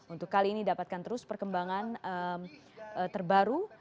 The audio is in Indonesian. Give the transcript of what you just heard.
untuk kali ini dapatkan terus perkembangan terbaru